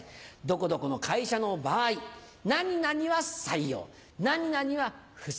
どこどこの会社の場合何々は採用何々は不採用。